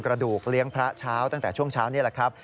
กระดูกเลี้ยงพระเช้าตั้งแต่ช่วงเช้านี่แหละครับ